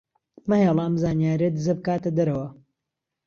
مەهێڵە ئەم زانیارییە دزە بکاتە دەرەوە.